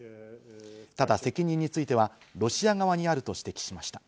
ただ責任についてはロシア側にあると指摘しました。